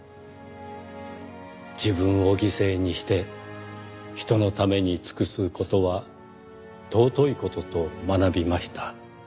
「自分を犠牲にして他人のために尽くす事は尊い事と学びました」